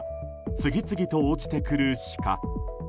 次々と落ちてくるシカ。